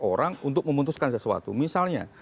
orang untuk memutuskan sesuatu misalnya